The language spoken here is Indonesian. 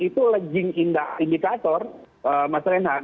itu lagi indikator masyarakat